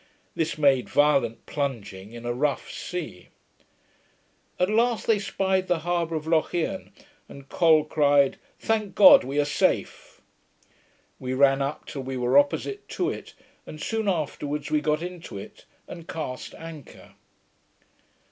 This made violent plunging in a rough sea. At last they spied the harbour of Lochiern, and Col cried, 'Thank God, we are safe!' We ran up till we were opposite to it, and soon afterwards we got into it, and cast anchor.